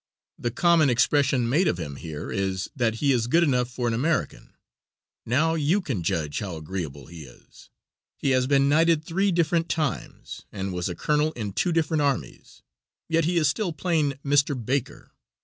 The common expression made of him here is, that "he is good enough for an American." Now you can judge how agreeable he is. He has been knighted three different times, and was colonel in two different armies, yet he is still plain Mr. Baker.